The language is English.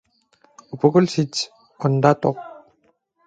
One prisoner recalled that Goerdeler was often "groaning aloud from hunger".